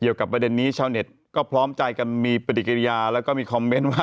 ประเด็นนี้ชาวเน็ตก็พร้อมใจกันมีปฏิกิริยาแล้วก็มีคอมเมนต์ว่า